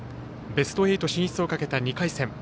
ベスト８進出をかけた２回戦。